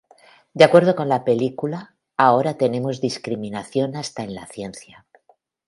De acuerdo con la película, "Ahora tenemos discriminación hasta en la ciencia.